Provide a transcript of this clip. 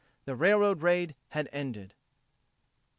The railroad raid had ended.